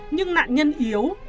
nhưng nạn nhân yếu